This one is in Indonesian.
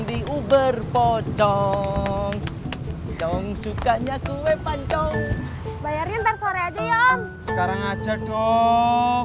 di uber pocong dong sukanya kue pancong bayarin tersore aja yuk sekarang aja dong